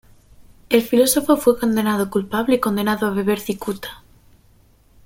El filósofo fue encontrado culpable y condenado a beber cicuta.